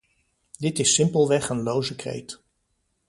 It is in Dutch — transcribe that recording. Dit is simpelweg een loze kreet.